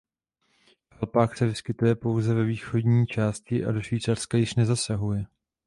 V Alpách se vyskytuje pouze ve východní části a do Švýcarska již nezasahuje.